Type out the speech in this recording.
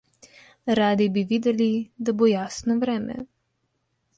Radi bi videli, da bo jasno vreme.